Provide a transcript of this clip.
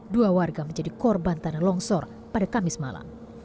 dua warga menjadi korban tanah longsor pada kamis malam